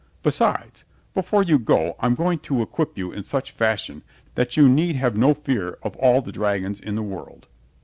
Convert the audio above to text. Besides, before you go I'm going to equip you in such fashion that you need have no fear of all the dragons in the world."